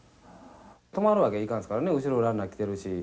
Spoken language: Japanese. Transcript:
止まるわけいかんですからね後ろランナー来てるし。